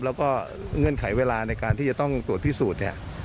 แล้วก็เงื่อนไขเวลาในการที่จะต้องตรวจพิสูจน์เนี่ย